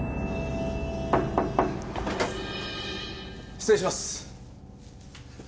失礼します。